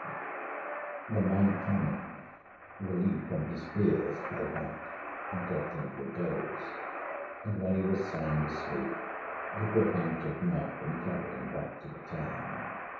The Minor Canon, relieved from his fears, lay back, and dropped into a doze; and when he was sound asleep the Griffin took him up, and carried him back to the town.